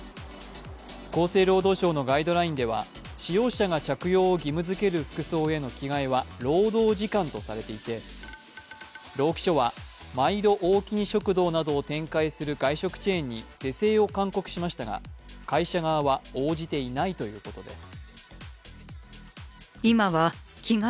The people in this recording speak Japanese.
厚生労働省のガイドラインでは、使用者が着用を義務づける服装への着替えは労働時間とされていて労基署はまいどおおきに食堂などを展開する外食チェーンに是正を勧告しましたが会社側は応じていないということです。